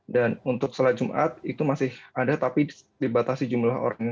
dan untuk selat jumat itu masih ada tapi dibatasi jumlah orang yang masuk